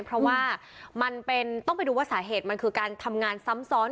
เพราะว่ามันต้องไปดูว่าสาเหตุมันคือการทำงานซ้ำซ้อน